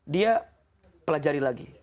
dia pelajari lagi